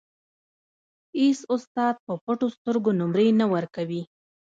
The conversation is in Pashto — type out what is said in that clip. اېڅ استاد په پټو سترګو نومرې نه ورکوي.